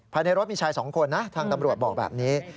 ภายในรถมีชายสองคนนะทางตำรวจบอกแบบนี้